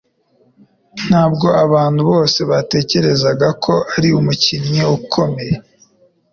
Ntabwo abantu bose batekerezaga ko ari umukinnyi ukomeye.